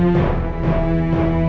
lalu lo kembali ke rumah